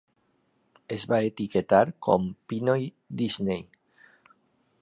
Es va etiquetar com Pinoy Disney.